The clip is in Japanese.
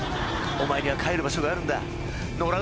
お前には帰る場所があるんだ野良